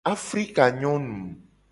Afrikanyonu!